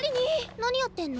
何やってんの？